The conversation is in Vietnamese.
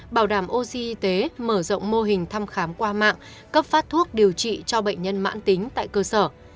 bảo đảm oxy y tế mở rộng mô hình thăm khám qua mạng cấp phát thuốc điều trị cho bệnh nhân mãn tính tại cơ sở